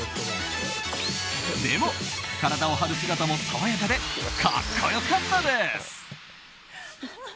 でも、体を張る姿も爽やかで格好良かったです！